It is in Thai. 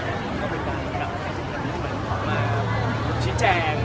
มันก็เป็นตัวแบบแค่สิ่งแบบนี้เหมือนของมารุ่นชิ้นแจง